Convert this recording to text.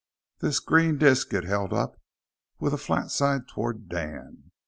This green disk it held up, with a flat side toward Dan.